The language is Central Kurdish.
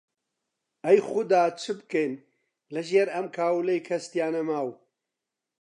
ئەی خودا چ بکەین لەژێر ئەم کاولەی کەس تیا نەماو؟!